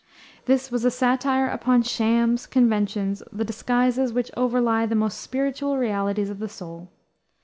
This was a satire upon shams, conventions, the disguises which overlie the most spiritual realities of the soul.